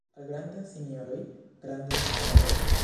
Al grandaj sinjoroj grandaj honoroj.